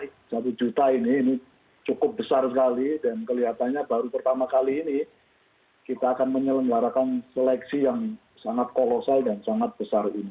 karena itu kita berharap masalah ini dituntaskan dan nanti pada tahap kedua seleksi p tiga k yang satu juta cukup besar sekali dan kelihatannya baru pertama kali ini kita akan menyelenggarakan seleksi yang sangat kolosal dan sangat besar ini